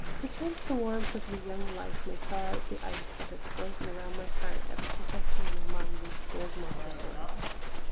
Perchance the warmth of your young life may thaw out the ice that has frozen around my heart ever since I came among these cold Montressors."